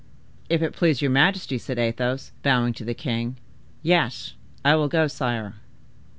"If it please your majesty," said Athos, bowing to the king, "yes, I will go, sire."